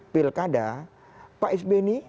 pilkada pak s b ini